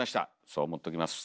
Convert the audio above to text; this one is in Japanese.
そう思っときます。